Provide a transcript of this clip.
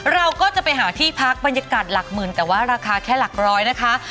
เราก็จะไปหาที่พักบรรยากาศหลักหมื่นแต่ว่าราคาแค่หลักร้อยนะคะ